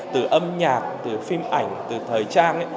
từ âm nhạc từ phim ảnh từ thời trang